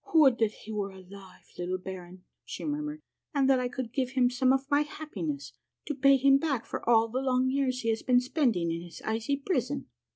" Would that he were alive, little baron," she murmured, "and that I could give him some of my happiness to pay him back for all the long years he has been spending in his icy prison."